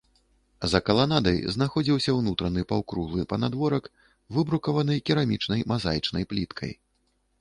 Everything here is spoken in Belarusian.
За каланадай знаходзіўся ўнутраны паўкруглы панадворак, выбрукаваны керамічнай мазаічнай пліткай.